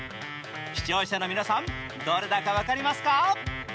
視聴者の皆さんどれだか分かりますか？